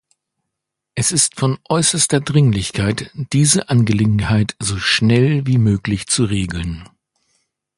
Es ist von äußerster Dringlichkeit, diese Angelegenheit so schnell wie möglich zu regeln.